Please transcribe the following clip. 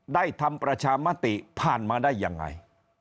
ทำประชามติผ่านมาได้ยังไง